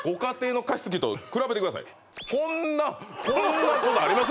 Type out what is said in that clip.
こんなこんなことあります？